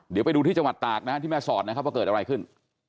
เดี๋ยวไปดูที่จังหวัดตากนะฮะที่แม่สอดนะครับว่าเกิดอะไรขึ้น